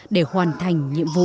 để hoàn thành nhiệm vụ